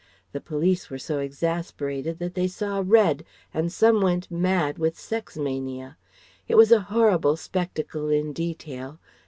The police were so exasperated that they saw red and some went mad with sex mania. It was a horrible spectacle in detail.